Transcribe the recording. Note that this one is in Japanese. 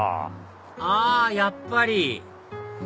あやっぱり！